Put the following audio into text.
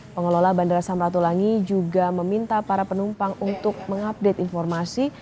pengelola bandara samratulangi juga meminta para penumpang untuk mengupdate informasi